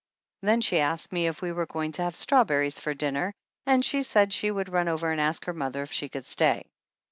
Then she asked me if we were going to have strawberries for dinner and said she would run over and ask her mother if she could stay.